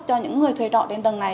cho những người thuê trọ trên tầng này